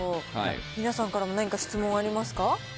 皆さんからも何か質問ありますか。